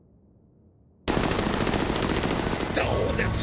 どうです？